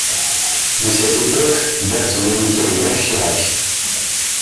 De cette époque date son amitié avec Jacques Chirac.